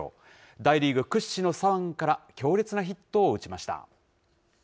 大リーグ屈指の左腕から強烈なヒットを打ちました。